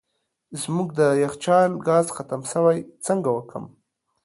زموږ د یخچال ګاز ختم سوی څنګه وکم